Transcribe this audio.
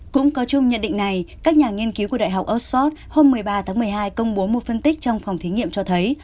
cũng có chung nhận định này các nhà nghiên cứu của đại học oxford hôm một mươi ba tháng một mươi hai công bố một phân tích trong phòng thí nghiệm cho thấy